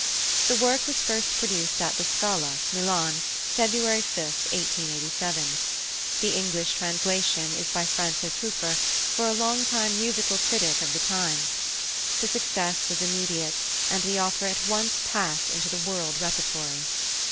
The work was first produced at the Scala, Milan, February 5, 1887. The English translation is by Francis Hueffer, for a long time musical critic of the Times. The success was immediate, and the opera at once passed into the world repertory.